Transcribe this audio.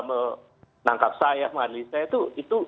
menangkap saya mengadil saya itu